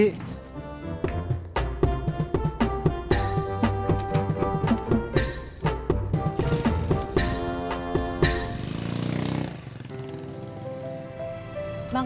mak aku mau pulang